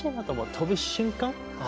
飛ぶ瞬間。